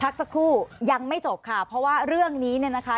สักครู่ยังไม่จบค่ะเพราะว่าเรื่องนี้เนี่ยนะคะ